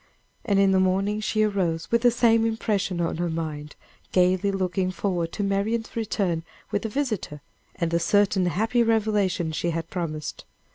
And in the morning she arose with the same impression on her mind, gayly looking forward to Marian's return with the visitor, and the certain happy revelation she had promised.